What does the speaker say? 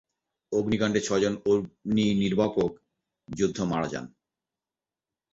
অগ্নিকাণ্ডে ছয়জন অগ্নিনির্বাপক যোদ্ধা মারা যান।